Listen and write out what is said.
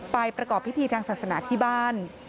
ประกอบพิธีทางศาสนาที่บ้าน